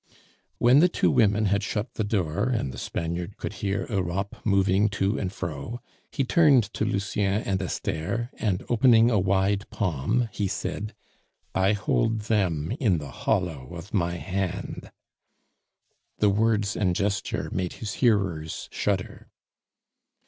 When the two women had shut the door, and the Spaniard could hear Europe moving to and fro, he turned to Lucien and Esther, and opening a wide palm, he said: "I hold them in the hollow of my hand." The words and gesture made his hearers shudder.